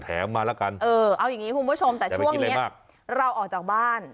มาแล้วกันเออเอาอย่างนี้คุณผู้ชมแต่ช่วงนี้เราออกจากบ้าน